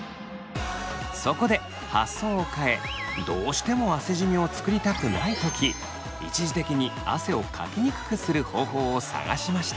そこで発想を変えどうしても汗じみを作りたくない時一時的に汗をかきにくくする方法を探しました。